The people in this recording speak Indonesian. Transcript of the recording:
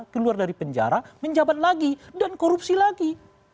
keluar dari penjara menjabat lagi dan korupsi lagi